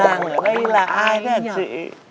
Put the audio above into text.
nàng ở đây là ai thế hả chị